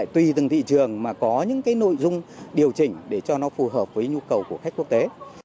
tùy từng thị trường mà có những nội dung điều chỉnh để cho nó phù hợp với nhu cầu của khách quốc tế